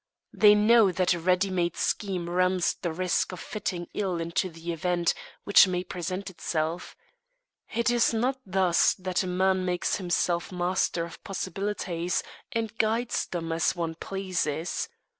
They know that a ready made scheme runs the risk of fitting ill into the event which may present itself. It is not thus that a man makes himself master of possibilities and guides them as one pleases.